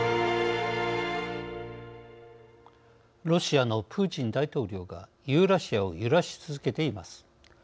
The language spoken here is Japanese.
ロシアのプーチン大統領がユーラシアを揺らし続けています。